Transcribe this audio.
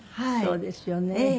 そうですよね。